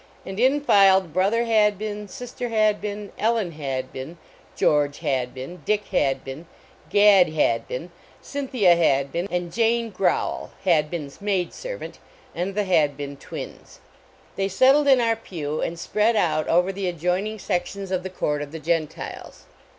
And in filed Brother Hadbin, Sister Hadbin, Ellen Hadbin, George Hadbin, Dick Hadbin, Gad Hadbin, Cynthia Hadbin, and Jane Growl Hadbin s maid servant and the Hadbin twins. They settled in our pew and spread out over the adjoining sections of the court of the Gentiles.